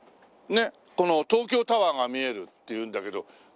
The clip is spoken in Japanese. この東京タワーが見えるっていうんだけど。